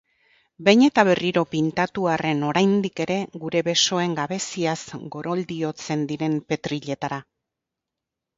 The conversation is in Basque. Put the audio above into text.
Behin eta berriro pintatu arren oraindik ere gure besoen gabeziaz goroldiotzen diren petriletara.